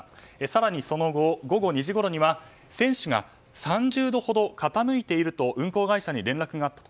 更に、その後午後２時ごろには船首が３０度ほど傾いていると運航会社に連絡があった。